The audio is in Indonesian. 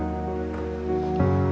aku masih bercinta sama kamu